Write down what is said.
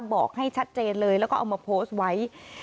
บอกให้ชัดเจนเลยแล้วก็เอามาโพสต์ไว้